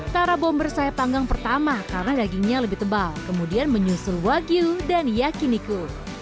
tara bomber saya panggang pertama karena dagingnya lebih tebal kemudian menyusul wagyu dan yakiniku